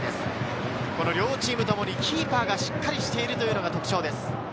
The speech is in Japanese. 両チームともにキーパーがしっかりしているというのが特徴です。